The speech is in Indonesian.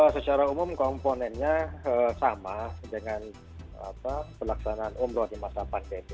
secara umum komponennya sama dengan pelaksanaan umroh di masa pandemi